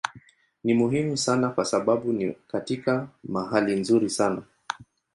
Ni muhimu sana kwa sababu ni katika mahali nzuri sana.